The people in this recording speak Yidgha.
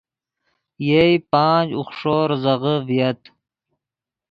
ین پانچ، اوخݰو ریزغے ڤییت